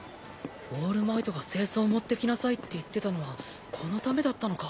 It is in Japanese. オールマイトが正装持って来なさいって言ってたのはこのためだったのか